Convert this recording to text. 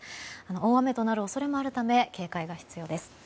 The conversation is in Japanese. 大雨となる恐れもあるため警戒が必要です。